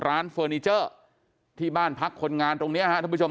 ร้านเฟอร์นิเจอร์ที่บ้านพักคนงานตรงนี้ครับทุกผู้ชม